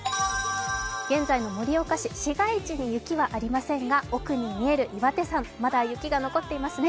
現在の盛岡市、市街地に雪はありませんが奥に見える岩手山、まだ雪が残っていますね。